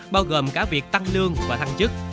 bao gồm cả việc tăng lương và thăng chức